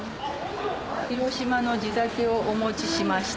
広島の地酒をお持ちしました。